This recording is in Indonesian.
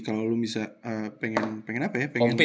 kalau lo bisa pengen apa ya pengen